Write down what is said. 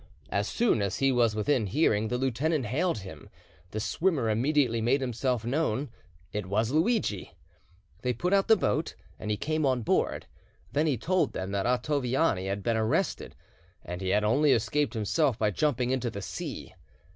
As soon as he was within hearing the lieutenant hailed him. The swimmer immediately made himself known: it was Luidgi. They put out the boat, and he came on board. Then he told them that Ottoviani had been arrested, and he had only escaped himself by jumping into the sea.